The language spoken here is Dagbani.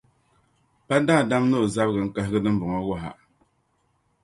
pa daadam ni o zabigu n-kahigi dimbɔŋɔ wuh’ a.